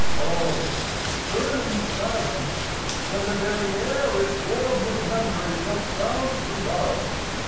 IV Oh! burning silence! when the very air Is warm with memories of sounds we love!